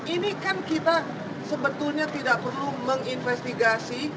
ini kan kita sebetulnya tidak perlu menginvestigasi